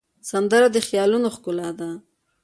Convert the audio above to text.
سندره د خیالونو ښکلا ده